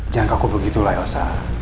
jangan kaku begitu lah elsa